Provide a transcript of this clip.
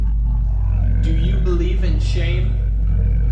Do You Believe in Shame?